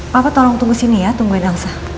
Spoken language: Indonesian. papa tolong tunggu sini ya tungguin elsa